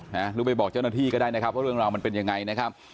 หรือไปบอกเจ้าหน้าที่ก็ได้นะครับว่าเรื่องราวมันเป็นยังไงนะครับ